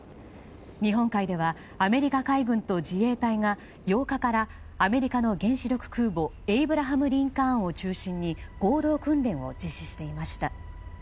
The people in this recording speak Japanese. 日本海ではアメリカ海軍と自衛隊が８日からアメリカの原子力空母「エイブラハム・リンカーン」を中心に合同訓練を実施していました。